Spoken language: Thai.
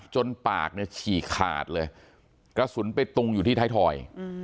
ปากเนี่ยฉี่ขาดเลยกระสุนไปตุงอยู่ที่ไทยทอย